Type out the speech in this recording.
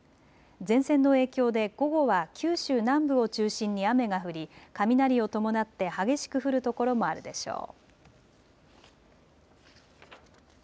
前線の影響で午後は九州南部を中心に雨が降り雷を伴って激しく降る所もあるでしょう。